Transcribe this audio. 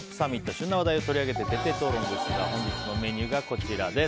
旬な話題を徹底討論ですが本日のメニューが、こちらです。